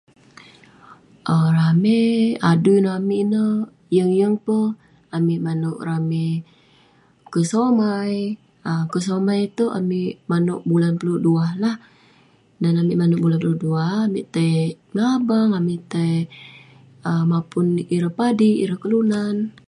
um ramey adui nouk amik ineh, yeng yeng peh amik manouk ramey kesomai. um Kesomai itouk amik manouk bulan puluk duah lah. Dan amik manouk bulan puluk duah, amik tai ngabang, amik tai um mapun ireh padik, ireh kelunan.